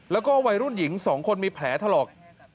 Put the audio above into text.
แล้วก็วัยรุ่นหญิง๒คนมีแผลถลอก